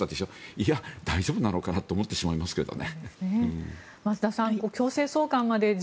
いや、大丈夫なのかなと思ってしまいますけどね。